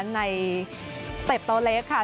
ในเต็ปโตเล็กค่ะ